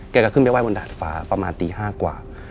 แกก็ขึ้นไปไห้บนดาดฟ้าประมาณตี๕กว่า